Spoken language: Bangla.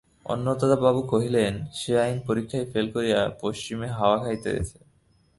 অন্নদাবাবু কহিলেন, সে আইন-পরীক্ষায় ফেল করিয়া পশ্চিমে হাওয়া খাইতে গেছে।